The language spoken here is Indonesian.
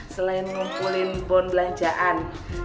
selain ngumpulin bon belanjaan